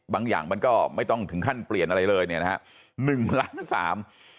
อย่างมันก็ไม่ต้องถึงขั้นเปลี่ยนอะไรเลยเนี่ยนะฮะหนึ่งล้านสาม